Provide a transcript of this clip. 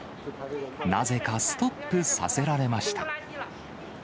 なぜかストップさせられました。